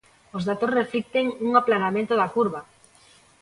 Os datos reflicten un aplanamento da curva.